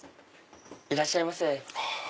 いらっしゃいませ。